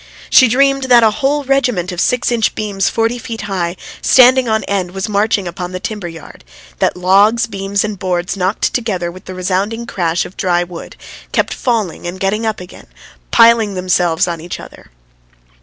She dreamed that a whole regiment of six inch beams forty feet high, standing on end, was marching upon the timber yard; that logs, beams, and boards knocked together with the resounding crash of dry wood, kept falling and getting up again, piling themselves on each other.